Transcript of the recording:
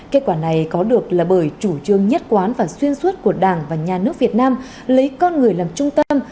kết quả này có được là bởi chủ trương nhất quán và xuyên suốt của đảng và nhà nước việt nam lấy con người làm trung tâm